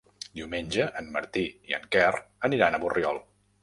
Diumenge en Martí i en Quer aniran a Borriol.